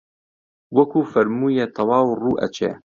وەکوو فەرموویە تەواو ڕوو ئەچێ